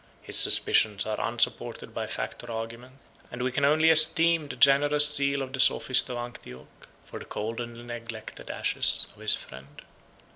His suspicions are unsupported by fact or argument; and we can only esteem the generous zeal of the sophist of Antioch for the cold and neglected ashes of his friend.